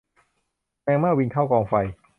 แมงเม่าบินเข้ากองไฟ